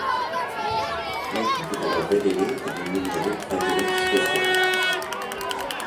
L'empreinte est alors révélée par une lumière ultraviolette spéciale.